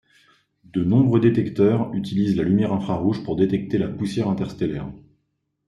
De nombreux détecteurs utilisent la lumière infrarouge pour détecter la poussière interstellaire.